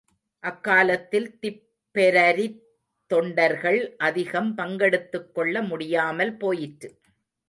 அக்காலத்தில் திப்பெரரித் தொண்டர்கள் அதிகம் பங்கெடுத்துக் கொள்ள முடியாமல் போயிற்று.